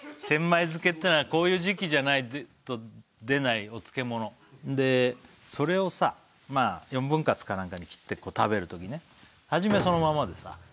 千枚漬けってのはこういう時季じゃないと出ないお漬物それをさ４分割かなんかに切って食べるときね初めそのままでさ